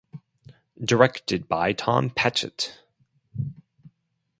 Directed by Tom Patchett.